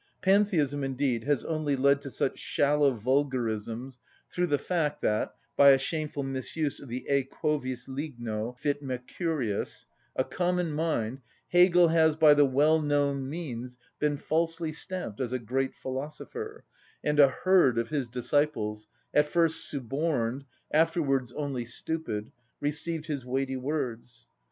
Pantheism, indeed, has only led to such shallow vulgarisms through the fact that (by a shameful misuse of the e quovis ligno fit Mercurius) a common mind, Hegel, has, by the well‐known means, been falsely stamped as a great philosopher, and a herd of his disciples, at first suborned, afterwards only stupid, received his weighty words.